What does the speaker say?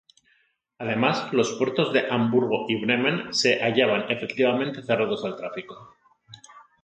Además, los puertos de Hamburgo y Bremen se hallaban efectivamente cerrados al tráfico.